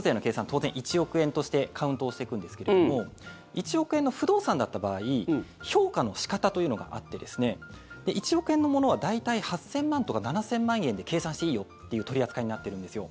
当然１億円としてカウントをしていくんですけども１億円の不動産だった場合評価の仕方というのがあって１億円のものは大体８０００万円とか７０００万円で計算していいよっていう取り扱いになっているんですよ。